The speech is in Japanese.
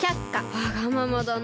わがままだな。